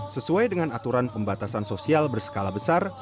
sesuai dengan aturan pembatasan sosial berskala besar